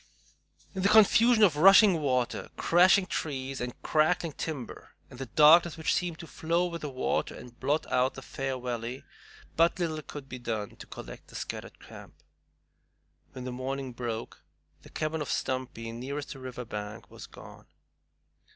In the confusion of rushing water, crashing trees, and crackling timber, and the darkness which seemed to flow with the water and blot out the fair valley, but little could be done to collect the scattered camp. When the morning broke, the cabin of Stumpy, nearest the river bank, was gone.